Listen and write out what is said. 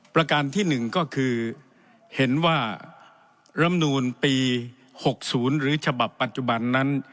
ประการที่๑ก็คือเห็นว่ารำนูลปี๖๐หรือฉบับปัจจุบันนั้น